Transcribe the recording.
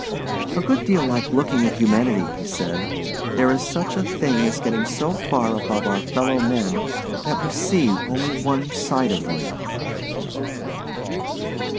"A good deal like looking at humanity," he said; "there is such a thing as getting so far above our fellow men that we see only one side of them."